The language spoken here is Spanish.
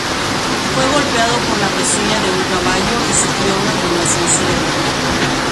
Fue golpeado por la pezuña de un caballo y sufrió una conmoción cerebral.